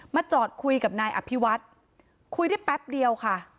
จอดคุยกับนายอภิวัฒน์คุยได้แป๊บเดียวค่ะ